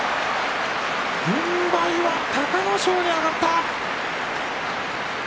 軍配は隆の勝に上がった。